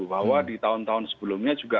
bahwa di tahun tahun sebelumnya juga